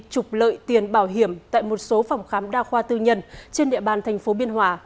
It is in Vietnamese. trục lợi tiền bảo hiểm tại một số phòng khám đa khoa tư nhân trên địa bàn thành phố biên hòa